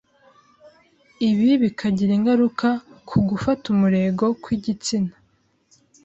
ibi bikagira ingaruka ku gufata umurego kw’igitsina